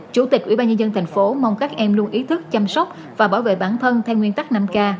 chủ tịch ủy ban nhân dân thành phố mong các em luôn ý thức chăm sóc và bảo vệ bản thân theo nguyên tắc năm k